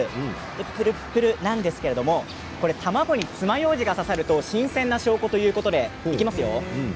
ぷるぷるなんですけどたまごにつまようじが刺さると新鮮な証拠ということでいきますよ。